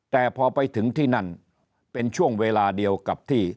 แต่พอไปถึงที่นั่นเป็นช่วงเวลาเดียวกับที่